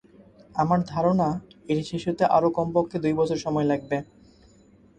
আমার ধারণা, এটি শেষ হতে আরও কমপক্ষে দুই বছর সময় লাগবে।